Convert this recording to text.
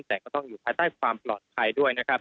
แต่ก็ต้องอยู่ภายใต้ความปลอดภัยด้วยนะครับ